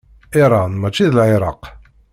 Iṛan mačči d Lɛiraq.